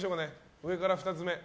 上から２つ目。